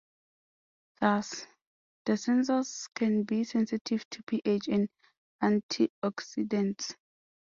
Thus, the sensors can be sensitive to pH and antioxidants.